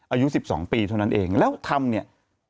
อายุ๑๒ปีเท่านั้นเองแล้วทำเนี่ย